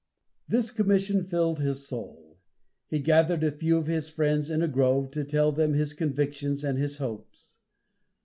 This commission filled his soul. He gathered a few of his friends in a grove, to tell them his convictions and his hopes.